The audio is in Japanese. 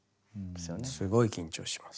すごい緊張します。